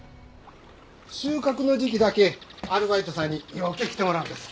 収穫の時期だけアルバイトさんにようけ来てもらうんです。